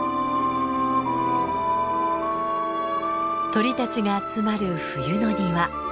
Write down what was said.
鳥たちが集まる冬の庭。